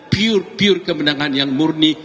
pure pure kemenangan yang murni